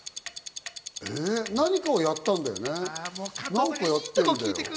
何かをやったんだよね？